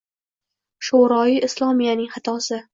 Sho‘royi islomiyaning xatosi